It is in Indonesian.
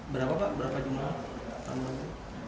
berapa pak berapa jumlah